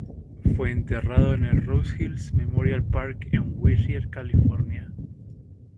Fue enterrado en el Rose Hills Memorial Park, en Whittier, California.